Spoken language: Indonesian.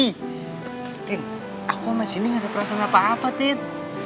tintin aku sama sintin gak ada perasaan apa apa tint